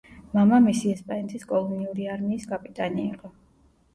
მამამისი ესპანეთის კოლონიური არმიის კაპიტანი იყო.